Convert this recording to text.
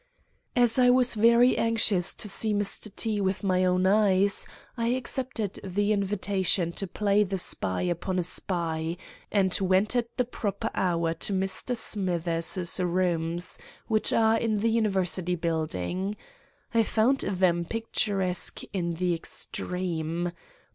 "As I was very anxious to see Mr. T—— with my own eyes, I accepted the invitation to play the spy upon a spy, and went at the proper hour to Mr. Smithers's rooms, which are in the University Building. I found them picturesque in the extreme.